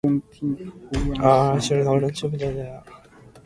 The cholinergic receptor types affected are the muscarinic receptors.